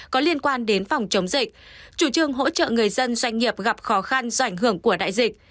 có liên quan đến phòng chống dịch chủ trương hỗ trợ người dân doanh nghiệp gặp khó khăn do ảnh hưởng của đại dịch